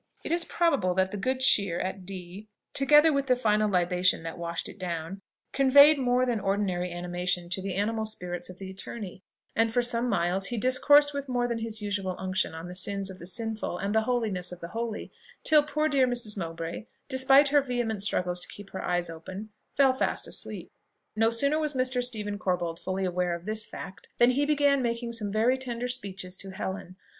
It is probable that the good cheer at D , together with the final libation that washed it down, conveyed more than ordinary animation to the animal spirits of the attorney, and for some miles he discoursed with more than his usual unction on the sins of the sinful, and the holiness of the holy, till poor dear Mrs. Mowbray, despite her vehement struggles to keep her eyes open, fell fast asleep. No sooner was Mr. Stephen Corbold fully aware of this fact, than he began making some very tender speeches to Helen.